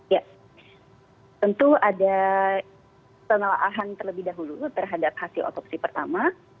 ya tentu ada penelaahan terlebih dahulu terhadap hasil otopsi pertama